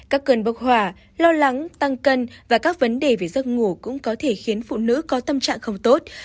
các cơn bóc hỏa lo lắng tăng cân và các vấn đề về giấc ngủ cũng có thể khiến phụ nữ có tâm trạng không tốt